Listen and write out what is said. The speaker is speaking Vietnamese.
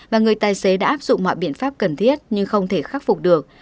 và người tài xế đã áp dụng mọi biện pháp cần thiết nhưng không thể khắc phục được